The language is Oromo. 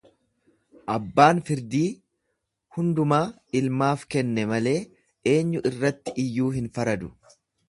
Abbaan firdii hundumaa ilmaaf kenne malee eenyu irratti iyyuu hin faradu.